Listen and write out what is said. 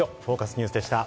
ニュースでした。